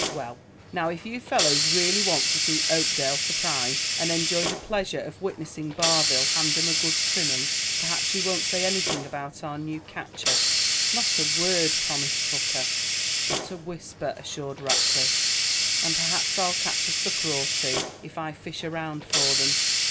"Well, now if you fellows really want to see Oakdale surprised, and enjoy the pleasure of witnessing Barville hand 'em a good trimming, perhaps you won't say anything about our new catcher." "Not a word," promised Hooker. "Not a whisper," assured Rackliff. "And perhaps I'll catch a sucker or two if I fish around for them.